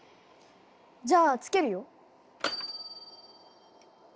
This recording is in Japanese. じゃあつけるよ。